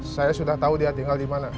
saya sudah tahu dia tinggal dimana